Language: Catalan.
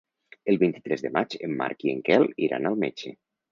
El vint-i-tres de maig en Marc i en Quel iran al metge.